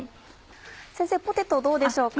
先生ポテトどうでしょうか？